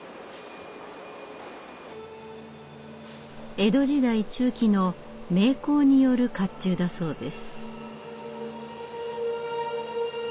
江戸時代中期の名工による甲冑だそうです。